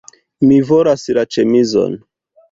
Mi volas la ĉemizon